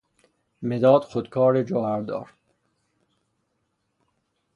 مداد خودکار جوهردار